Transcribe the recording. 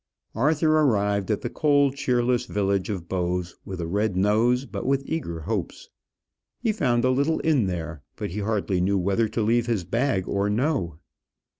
Arthur arrived at the cold, cheerless village of Bowes with a red nose, but with eager hopes. He found a little inn there, but he hardly knew whether to leave his bag or no.